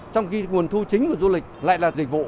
trong khi nguồn thu chính của du lịch lại là dịch vụ